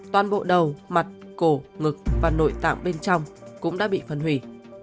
toàn bộ đầu mặt cổ ngực và nội tạng bên trong cũng đã bị phân hủy